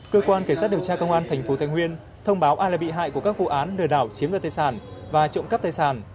cơ quan cảnh sát điều tra công an thành phố thanh nguyên thông báo ai là bị hại của các vụ án nở đảo chiếm đợt tài sản và trộm cắp tài sản